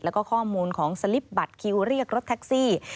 แล้วก็ข้อมูลของสลิปบัตรคิวเรียกรถแท็กซี่